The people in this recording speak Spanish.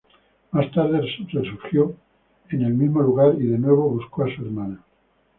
Más tarde resurgió en el mismo lugar y de nuevo buscó a su hermana.